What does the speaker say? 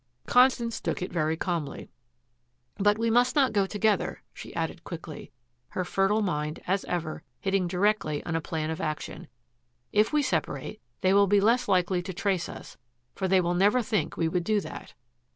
Constance took it very calmly. "But we must not go together," she added quickly, her fertile mind, as ever, hitting directly on a plan of action. "If we separate, they will be less likely to trace us, for they will never think we would do that."